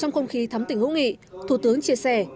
trong không khí thắm tỉnh hữu nghị thủ tướng chia sẻ